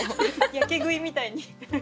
やけ食いみたいに。